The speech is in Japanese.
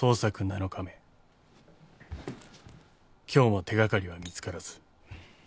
今日も手掛かりは見つからず。